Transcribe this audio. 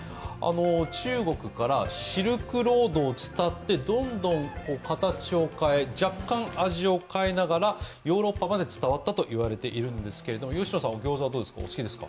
中国からシルクロードを伝ってどんどん形を変え若干味を変えながら、ヨーロッパまで伝わったといわれてるんですけど吉野さんはギョウザお好きですか？